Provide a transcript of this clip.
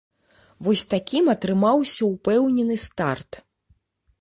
Вось такім атрымаўся ўпэўнены старт.